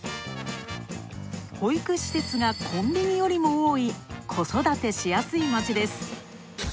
保育施設がコンビニよりも多い子育てしやすい街です。